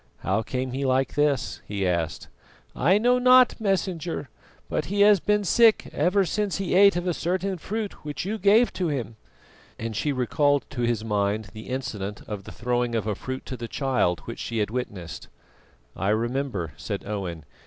"How came he like this?" he asked. "I know not, Messenger, but he has been sick ever since he ate of a certain fruit which you gave to him;" and she recalled to his mind the incident of the throwing of a fruit to the child, which she had witnessed. "I remember," said Owen.